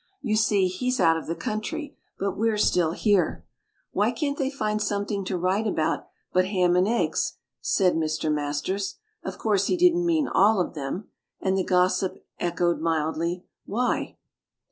You see, he's out of the country, but we're still here. "Why can't they find something to write about but ham and eggs?" said Mr. Itfasters. (Of course, he didn't mean all of "them".) And the Gossip echoed mildly, "Why?"